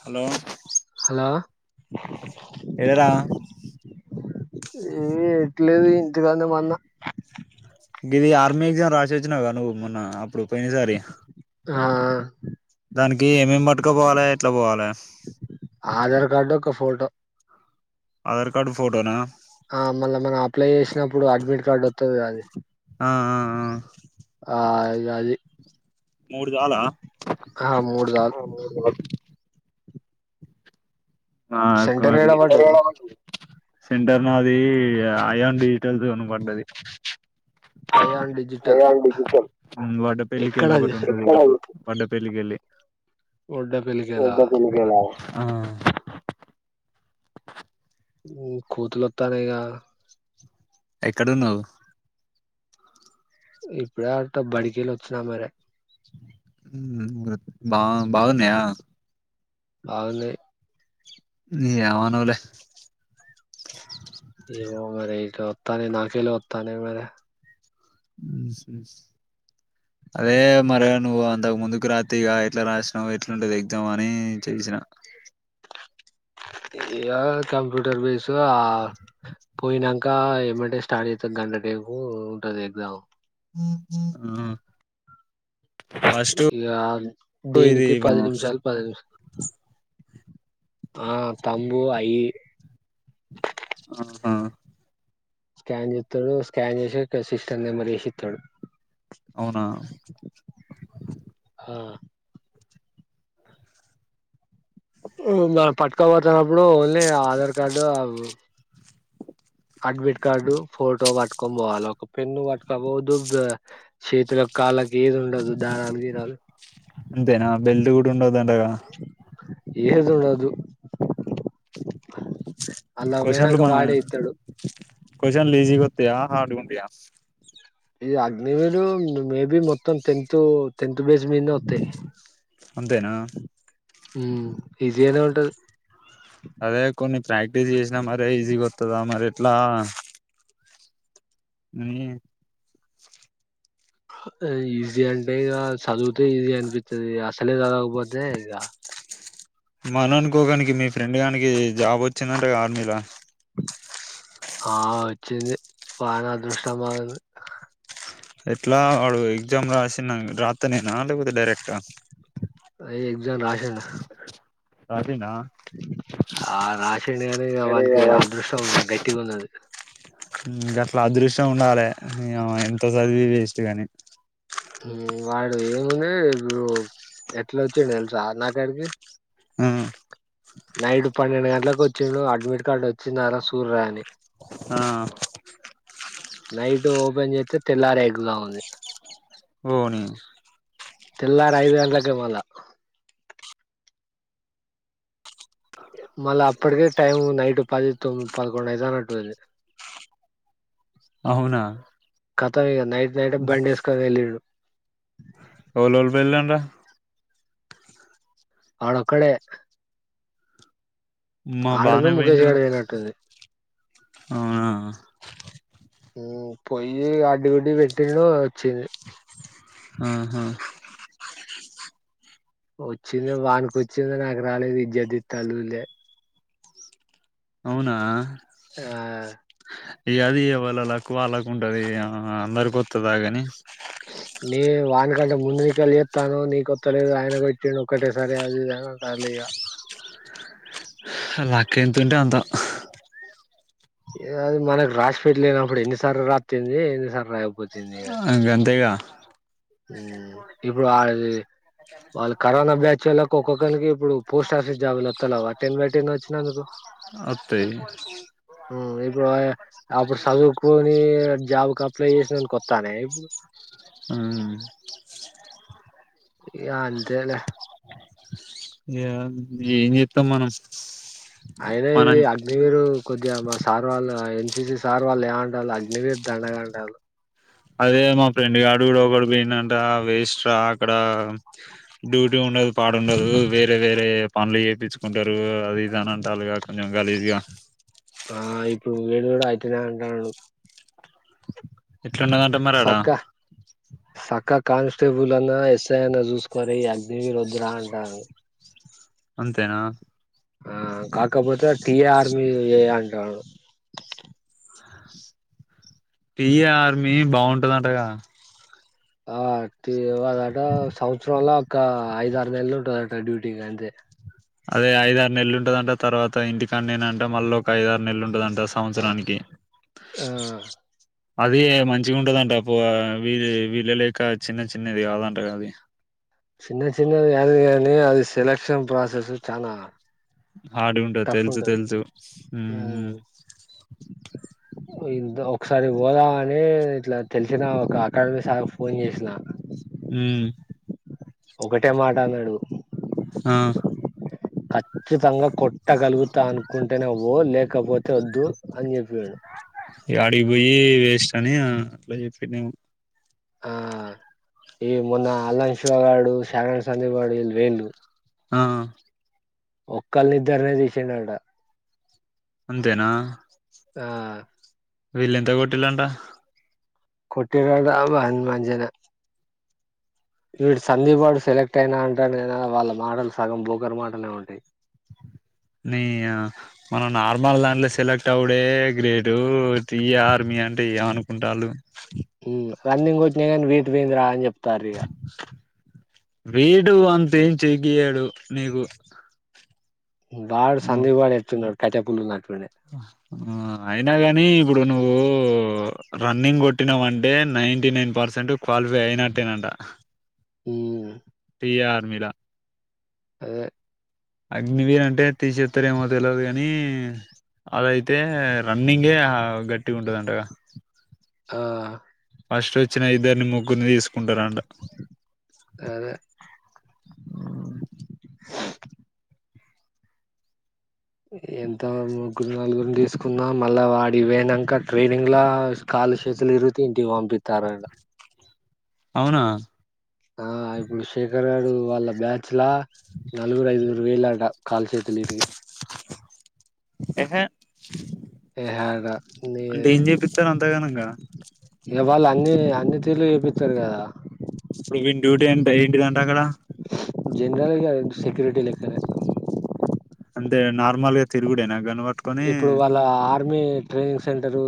Hello hello ఏరా ఏ ఎట్లేదు ఇంటికనే మన్న ఇది ఆర్మీ ఎగ్జామ్ రాసి వచ్చినావుగా నువ్వు మొన్న అప్పుడు పోయినా సారీ ఆ దానికి ఏమేమి మటుక పోవాలి ఎట్లా పోవాలి ఆధార్ కార్డు ఒక ఫోటో ఆధార్ కార్డు ఫోటోనా వచ్చినప్పుడు అడ్మిట్ కార్డు వత్తదిగా అది ఆ ఆ ఆ ఆ అది మూడు చాలా ఆ మూడు సాల్ ఆ సెంటర్ ఏడ కోరిగి పడ్డది సెంటర్ నాదీ ఐ యాన్ డిజిటల్ జోన్ పడ్డది అయాన్ డిజిటల్ మ్మ్ వాటి పెళ్లికెల్ ఒకటి ఎక్కడది ఉంటది పడ్డ పెల్లికి ఎళ్ళి ఒడ్డ పిలికెలా ఆ [inaudible] మ్మ్ కూతులు వత్తానేగా ఎక్కడున్నావ్ ఇప్పుడ అ బడికెళ్ళి వచ్చినా మరే మ్మ్ బా బాగున్నా అవులే న అవానులే తో వత్తానే నాకెలో వత్తానే మ అదే మరి నువ్వు అంతకు ముందుకు రాత్తి ఇక ఎట్లా రాసినవు ఎట్లుంటది ఎగ్జామ్ అని చేసిన ఇయా కంప్యూటర్ బేస్ త్ గదా పోయినంక్ ఇంకా ఏమంటే స్టార్ట్ అయితే గంట టేపు ఉంటది ఎగ్జామ్ అ ఇగ ఇది దీనికి పది నిమిషాలు పదైదు ఆ తంబు అయి ఆహా స్కాన్ చేత్తడు స్కాన్ చేసి సిస్టం నెమ్మర్ ఏసి ఇత్తాడు అవునా ఆ మ్మ్ మ పట్టుకోబాతున్నప్పుడు ఓన్లీ ఆధార్ కార్డు ఆవ్ అడ్మిట్ కార్డు ఫోటో వట్ పట్కొని పోవాల ఒక పెన్ను పట్కపోదు చేతుల కాళ్ళకి ఏది ఉండదు ధారలు గీరాలు అంతేనా బెల్టు కూడా ఉండద్ అంటగా ఏజ్ ఉండదు అలా పోయినంక వాడే ఇత్తడు షన్ లీజీ గొత్తయా హార్డుగుండయా ఇ అగ్ని మీరు మేబీ మొత్తం టెన్త్ టెన్త్ బేస్ మీంద వస్తాయి. అంతేనా ఊ ఈజీగానే ఉంటది. అదే కొన్ని ప్రాక్టీస్ చేసినా మరీజీగా వత్తాదా మరి ఎట్లా ఊ ఈజీ అంటే ఇక చదివితే ఈజీ అనిపిస్తది అసలే చదకపోతే ఇక మనఅనుకోగానికి మీ ఫ్రెండ్ కానికి జాబ్ వచ్చిందంటగా ఆర్మీలా ఆ వచ్చింది వాని అదృష్టం బాగుంది. ఎట్లా వాడు ఎగ్జామ్ రాసిన రాత్తనేనా లేకపోతే డైరెక్ట్గా రేయ్ ఎగ్జామ్ రాసిండు రాసిండా ఆ రాశిండు గాని ఇగ అరే వానికి వాడు అదృష్టం గట్టి ఉన్నది. ఇంక అట్లా అదృష్టం ఉండాలి ఇంక ఎంత చదివి వేస్ట్ కాని వాడు ఏముండు ఇప్పుడు ఎట్లా వచ్చిండు తెలుసా నాకాడికి ఊ నైటు పన్నెండు గంటలకు ఒచ్చిండు అడ్మిట్ కార్డు వచ్చిందారా చూర్రా అని ఆ నైటూ ఓపెన్ చేత్తే తెల్లారేట్టుగా ఉంది. ఓని తెల్లారైదు గంటలకే పోళ్ళ మళ్ళ అప్పటికే టైం నైట్ పది తొమ్మిది పదకొండు ఐతన్నట్టుంది. అవునా కత ఇంక నైట్ నైటే బండివేసుకొని వెళ్ళిండు ఓలోల్ వేళ్ళంట అడొక్కడే మా ఆడును బానే ముఖేష్ పోయిండు గాడు పోయినట్టుంది. అవునా ఊ పొయ్యి యాక్టివిటీ పెట్టిండు వచ్చింది. ఆహా వచ్చింది వానికి వచ్చింది నాకు రాలేదు ఇజ్జత్ తిత్తాండ్రు ఊర్లే అవునా ఆ ఇగ అది ఎవాలొల్లక్ వాళ్ళకు ఉంటది అందరికి వస్తదా కాని నే వానికంటే ముందు నీక చేస్తానవ్ నీకు కొత్త లేదు ఆయన కొట్టిండు ఒక్కటేసారి అది ఇది అంటాండ్రు ఇగ లక్ ఎంతుంటే అంత అది మనకు రాసిపెట్టి లేనప్పుడు ఎన్నిసార్లు రాత్తేంది ఎన్నిసార్ రాయకపోతే ఆ గంతేగా ఊ ఇప్పుడు ఆది వాళ్ళు కరోనా బ్యాచ్చోళ్ళకు ఒక్కొక్కరికి ఇప్పుడు పోస్ట్ ఆఫీస్ జాబులు వస్తలలేవ్ అట్ట్ ఏం బెట్టిండు వచ్చినందుకు [inaudible] అతయి! హ్మ్, ఇప్పుడు అయే. అప్పుడు, సదువుకొని జాబ్‌కి అప్. అప్లై చేసినందుకు, వోతనై ఇప్పుడు. హ్మ్. ఇగ అంతేలే! ఏం, ఏంజేతం మనం? అయినా ఇది మనం అగ్నివీర్? కొద్దిగా! మా సార్ వాళ్ల, ఎన్‌సీసీ సార్ వాళ్లు ఏమంటాన్లు అగ్నివీర్ దండగ అంటాన్లూ. అదే మా ఫ్రెండ్ గాడు కూడా ఒకడు పోయిండంటా. వేస్ట్ రా అక్కడా. డ్యూటీ ఉండదు, పాడ ఉండదు, వేరే వేరే పనులు చెప్పించుకుంటారు. అది ఇది అంటాన్లుగా కొంచెం వాల్యూ థి! ఆహ్! ఇప్పుడు వీడు కూడా, అయితునై అంటాడు. ఎట్లా ఉందంట, మరి ఆడా. సక్క సక్క కానిస్టేబుల్ అన్నా, యెస్ఐ అన్నా, చూస్కోరే ఈ అగ్నివీర్ వోడురా అంటాన్లు. అంతేనా! ఆ. కాకపోతే! టీ ఆర్మీ మీద చేయంటాడు. Tea army, బాగుంటదంటగా? ఆ. టీ! వాళ్ళు అట, సంవత్సరంలో ఒక ఐదు, ఆరు నెలలు ఉంటదంట, డ్యూటీ గంతే. అదే! ఐదారు నెలలు ఉంటందంట, తర్వాత ఇంటికాడ్నే నంతా. మళ్ళ ఒక! ఐదు, ఆరు నెలలు ఉంటదంట. తా సంవత్సరానికి ఆ [unintelligible] అదీ, మంచిగా ఉంటదంట. పో ఆ వీల వీళ్ళ లెక్క చిన్న- చిన్నది కాదంటగా, అది. చిన్న-చిన్నది కాదు? కానీ, అది సెలక్షన్ ప్రాసెస్ చానా. హార్డ్‌గా! ఉంటది, తెలుసు-తెలుసు. మ్మ్ [unintelligible] ఒకసారి పోదాం అనే, ఇట్ల తెలిసిన, ఒక అకాడమీ సార్‌క ఫోన్ జేశినా. హ్మ్మ్. ఒకటే! మాట అన్నాడు. హా. ఖచ్చితంగా! కొట్టగలుగుతా అనుకుంటేనే వో, లేకపోతే. అయితే! వొద్దు అని జెప్ప్. వెయ్ [unintelligible] అడికిపోయి వేస్ట్ అని, అట్లా చెప్పిండేమో. ఆ ఈ మొన్న అల్లం శివగాడు, శరణ్, సందీప్ గాడు ఇల్ వెయ్యిళ్లి. ఆ ఒకలేదరనే తీషిండ ఆట. అంతేనా. ఆ. వీళ్ళ ఎంతా కోట్లులాంట. కొట్టిరాట, అబ్బా అన్నా మంచిగనే. వీడు సంధీ గాడు, సెలెక్ట్ అయినా అంటాండు కదా? వాళ్ళ మాటలు సగం, బోకర్ మాటలే ఉంటాయి. నియమ మనం, నార్మల్ దాంట్లో సెలెక్ట్ అవ్వడే గ్రేటు. టీ ఆర్మీ అంటే ఏమనుకుంటాన్లు? హ్మ్, రన్నింగ్ కొట్టిన గానీ, వెయిట్ పోయింది రా, అని చెప్పు. తరిగ. వెయిట్‌ పంపించి, గీ అడుగు. నీకు! వాడు, సందీప్ గాడు ఎటున్నాడు? కట్టెపుల్లున్నాడు. హ్మ్మ్, ఆ! అయినగాని ఇప్పుడు నువ్వు. హ్మ్మ్మ్! రన్నింగ్ కొట్టివంటే, నైంటీ నైన్ పర్సెంట్ క్వాలిఫై అయ్యినట్టే అంట. ఇమ్మ్హ్.. టీ ఆర్మీలా. అదే. అగ్నివీర్ అంటే తీసేస్తారు ఏమో తెల్వదు గానీ, అద అయితే రన్నింగే హా గట్టిగా ఉంటది అంటగా. ఆ. ఫస్ట్ వచ్చిన ఇద్దరిని, ముగ్గురిని తీసుకుంటార అంట. అదే. ఎంటా ముగ్గురు నలుగురిని తీసుకున్న మళ్ళా అడికి పోయినంక ట్రైనింగ్ లా కళ్లుశేతులు ఇరుగితే ఇంటికి పంపిస్తారట. అవునా. ఆ ఇప్పుడు షేక్. [unintelligible] కరణ్ వాళ్ల బ్యాచ్ లా నలుగురు ఐదుగురు వేయుళ్లట కాలు చేతులు ఇరిగి. ఏహే. అయ్య్ హడా, అంటే నీదే ఏం చేపిస్తారు అంతగానంగా ఇగా, వాళ్లు అని ఆ? అతి [unintelligible] తెలివి చూపితరు కదా రా. ఇపుడు వీన్ డ్యూటీ, అండ్ డైట్ గన్? దగ్గర. జనరల్‌గా సెక్యూరిటీ లేకనే. అంతే నార్మల్‌గా తిరుగుడే నా? గన్ వాట్టుకొని? అర్మ ట్రైనింగ్ సెంటరు,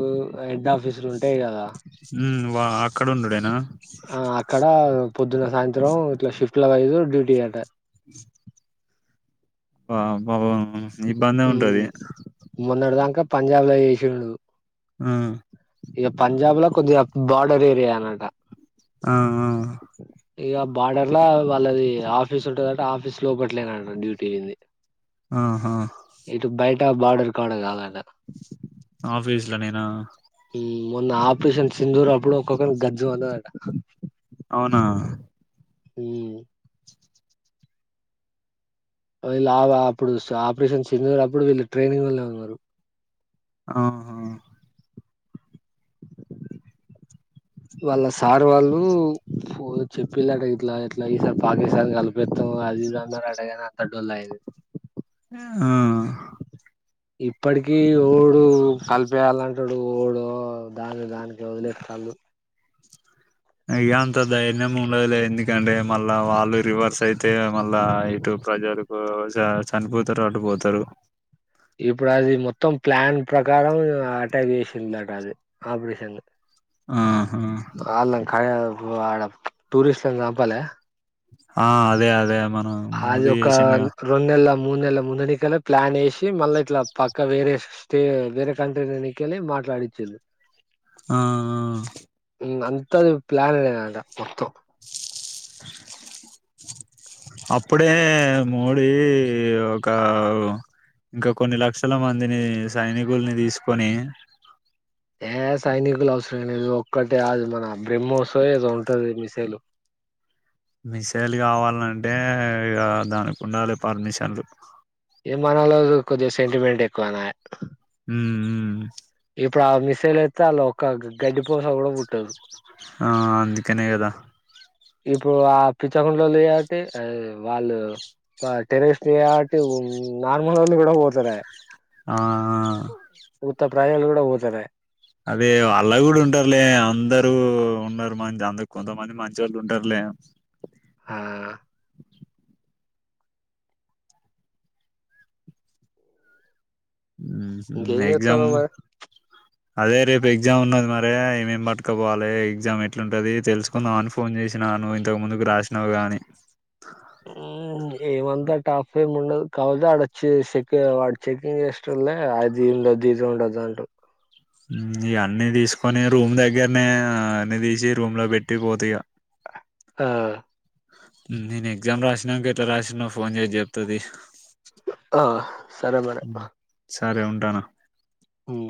హెడ్ ఆఫీసులు ఉంటాయి కదా? ఉమ్మ్ వా అక్కడ ఉండుడేనా? ఇద్దరం, ఇట్లా షిఫ్ట్ల వైజ్ డ్యూటీ అంట. ఫామ్. పాపం, ఇబ్బందే ఉంటది. మొన్నడ ధంకా, పంజాబ్ లా జేశిండు. హ్మ్మ్. ఇగ పంజాబ్ లా, కొద్దిగా బార్డర్ ఏరియా అన్నట. ఆ ఆ. ఇగ బార్డర్ లా, వాళ్లది ఆఫీసు ఉంటదంట, ఆఫీస్ లోపట్లే నంట, డ్యూటీ ఇంధీ. ఆ హా! బార్డర్ కాడ, కధా ఆట. ఆఫీస్ లో, నేనా! ఈ మొన్న, ఆపరేషన్ సిందూర్ అప్పుడు ఒక్కొక్కని, గజ్జ మనది అట. అవునా. హ్మ్. వోయ్లా, ఆ అప్పుడు స ఆపరేషన్ సిందూర్ అప్పుడు, వీళ్లు ట్రైనింగ్ వోలే ఉన్నరు. ఆహా. వాళ్ళ సార్ వాళ్ళు చెప్పిళట ఇట్లా ఎట్లా ఈసారి పాకిస్తాన్ను కలిపేస్తాం అది ఇది అన్నారటగాని అంత డొల్ల అయిది ఆ ఇప్పటికి ఓడు కలిపేయాలంటాడు ఓడు దాని దాన్ని [unintelligible] అ అ తను ఇక అంత ధైర్యం ఉండదులేదు ఎందుకంటే మళ్ళా వాళ్ళు రివర్స్ అయితే మళ్ళా ఇటు ప్రజలకు చనిపోతారు అటుపోతారు ఇప్పుడు అది మొత్తం ప్లాన్ ప్రకారం అటాక్ చేసిందట అది ఆపరేషన్ ఆ అ [unintelligible] లాడి టూరిస్ట్లను చంపలా ఆ అదే అదే మనం అదిొ మోదీ ఒక చేసిండుగా రెంనెల్ల మూడు నెలల ముందనికె ప్లాన్ వేసి మళ్ళా ఇట్లా పక్కా వేరే స్టే వేరే కంట్రీ ఎకెళ్ళి మాట్లాడిచ్చుండ్రు ఆ అంతది ప్లాన్ అనే నాంట మొత్తమ్ [unintelligible] అప్పుడే మోడీ ఒక ఇంకా కొన్ని లక్షల మందిని సైనికుల్ని తీసుకొని ఏ సైనికులు అవసరం లేదు ఒక్కటే అది మన బ్రమోస్ ఏదో ఉంటది మిసైలు మిసైల్ కావాల్నంటే ఇక దానికి ఉండాలి పర్మిషన్లు ఏ మనలో కొద్దిగ సెంటిమెంట్ ఎక్కువనాయ ఉ ఉ ఇప్పుడు ఆ మిసైల్ అయితే అలా ఒక గడ్డి పోస కూడా పుట్టదు ఆ అందుకనే కదా ఇప్పుడు ఆ పిచ్చకుండలు వాళ్ళు చే వాళ్లు టెర్రరిస్టి నార్మల్ వాళ్ళు కూడా పోతారాయ ఆ ఆ! త ప్రజలు కూడా పోతరాయ అదే అలా కూడా ఉంటారులే అందరూ ఉన్నారు మంచి అంద కొంతమంది మంచోళ్ళు ఉంటారులే హా ఇంకేం ఎగ్జామ్ చెత్తన్నావ్ మరి అదే రేపు ఎగ్జామ్ ఉన్నది మరే ఏమేం పట్టుకపోవాలి ఎగ్జామ్ ఎట్లుంటది తెలుసుకుందాం అని ఫోన్ చేసినాను ఇంతకు ముందుకు రాసినావు గాని ఊ ఏమంతా టఫ్ ఏమి ఉండదు కాపోతె ఆడ చెక్ వాడు చెకింగ్ చేసేటోళ్ళే అది ఉండదు ఇది ఉండదు అంట ఇగ అన్నీ తీసుకొని రూమ్ దగ్గరనే అన్ని తీసి రూమ్ లో పెట్టి పోతఇగ ఆ నేను ఎగ్జామ్ రాసినాక ఎట్లా రాసినొ ఫోన్ చేసి చెప్తాతీ ఆ సరే మరి సరే ఉంటాన మ్